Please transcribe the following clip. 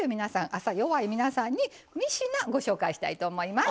朝弱い皆さんに３品ご紹介したいと思います。